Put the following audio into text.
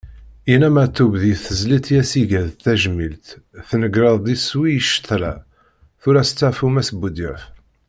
Yenna Meɛtub deg tezlit i as-iga d tajmilt: Tneǧreḍ-d iswi i ccetla, tura steɛfu Mass Budyaf.